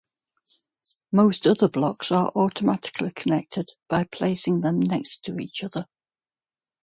Most other blocks are automatically connected by placing them next to each other.